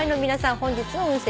本日の運勢